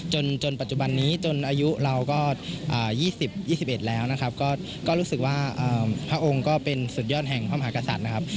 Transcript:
จนปัจจุบันนี้จนอายุเราก็๒๐๒๑แล้วนะครับก็รู้สึกว่าพระองค์ก็เป็นสุดยอดแห่งพระมหากษัตริย์นะครับ